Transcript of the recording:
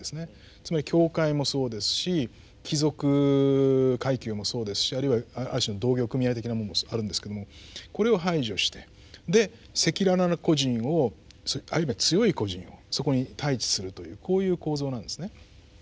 つまり教会もそうですし貴族階級もそうですしあるいはある種の同業組合的なものもあるんですけれどもこれを排除してで赤裸々な個人をある意味では強い個人をそこに対置するというこういう構造なんですね。